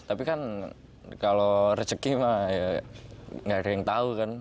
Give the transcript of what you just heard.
tapi kan kalau rezeki mah ya nggak ada yang tahu kan